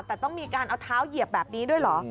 แต่ต้องมีการเอาเท้าเหยียบแบบนี้ด้วยเหรอ